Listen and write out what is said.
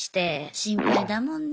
心配だもんね。